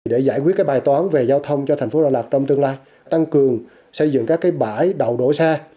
để giải quyết bài toán về giao thông cho thành phố đà lạt trong tương lai tăng cường xây dựng các bãi đỗ xe